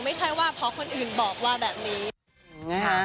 ไม่ใช่ว่าเพราะคนอื่นบอกว่าแบบนี้นะคะ